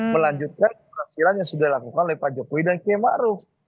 melanjutkan kehasilan yang sudah dilakukan oleh pak jokowi dan kmaru